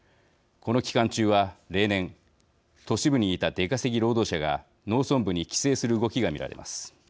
この期間中は例年、都市部にいた出稼ぎ労働者が農村部に帰省する動きが見られます。